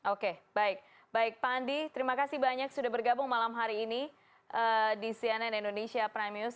oke baik baik pak andi terima kasih banyak sudah bergabung malam hari ini di cnn indonesia prime news